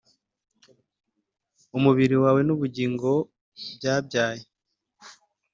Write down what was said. umubiri wawe nubugingo byabyaye